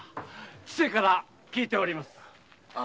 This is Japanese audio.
千勢から聞いております。